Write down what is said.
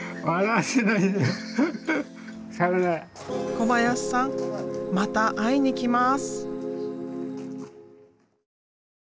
小林さんまた会いに来ます。